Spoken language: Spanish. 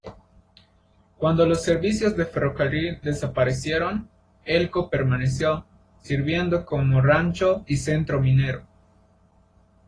Cuando los servicios de ferrocarril desaparecieron, Elko permaneció, sirviendo como rancho y centro minero.